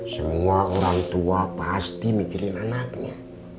semua orang tua pasti mikirin anaknya